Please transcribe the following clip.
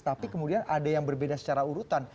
tapi kemudian ada yang berbeda secara urutan